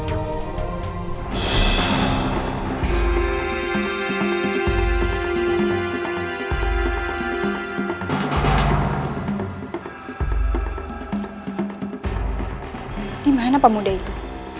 ini mah yang nampak mudah itu